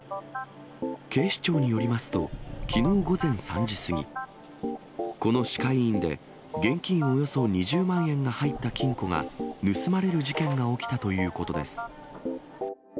警視庁によりますと、きのう午前３時過ぎ、この歯科医院で、現金およそ２０万円が入った金庫が盗まれる事件が起きたということです。